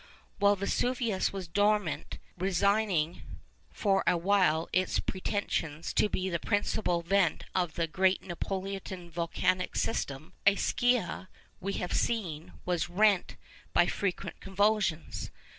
While Vesuvius was dormant, resigning for a while its pretensions to be the principal vent of the great Neapolitan volcanic system, Ischia, we have seen, was rent by frequent convulsions.